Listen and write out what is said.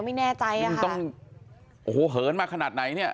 ไม่แน่ใจอ่ะค่ะ